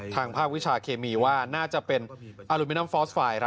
ทางภาควิชาเคมีว่าน่าจะเป็นอลูมินัมฟอสไฟล์